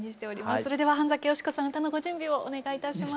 それでは半美子さん歌のご準備をお願いいたします。